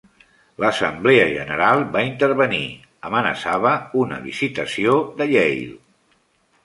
L'Assemblea General va intervenir, amenaçava una "Visitació" de Yale.